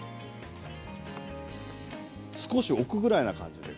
少し置くぐらいな感じで。